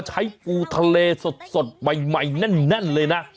ใช้ปูทะเลสดใหม่แน่นเลยนะ